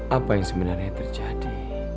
apa yang sebenarnya terjadi